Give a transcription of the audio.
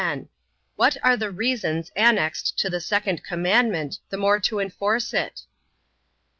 What are the reasons annexed to the second commandment, the more to enforce it?